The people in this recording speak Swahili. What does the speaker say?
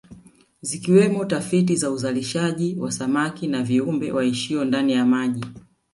Zikiwemo tafiti za uzalishaji wa samaki na viumbe waishio ndani ya maji